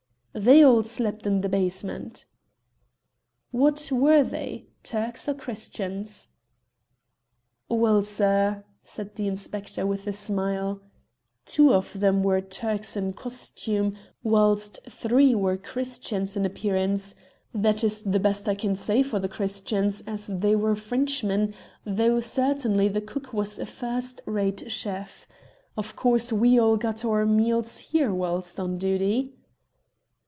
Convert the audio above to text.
"They all slept in the basement." "What were they, Turks or Christians?" "Well, sir," said the inspector with a smile, "two of them were Turks in costume, whilst three were Christians in appearance. That is the best I can say for the Christians, as they were Frenchmen, though certainly the cook was a first rate chef. Of course, we all got our meals here whilst on duty."